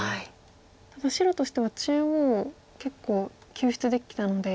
ただ白としては中央結構救出できたので。